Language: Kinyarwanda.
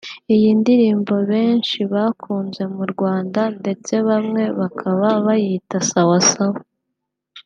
Iyi ndirimbo benshi bakunze mu Rwanda ndetse bamwe bakaba bayita Sawa sawa